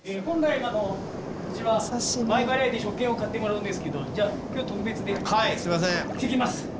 本来うちは前払いで食券を買ってもらうんですけどじゃあ今日は特別で聞きます。